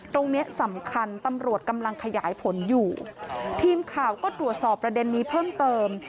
เนี้ยสำคัญตำรวจกำลังขยายผลอยู่ทีมข่าวก็ตรวจสอบประเด็นนี้เพิ่มเติม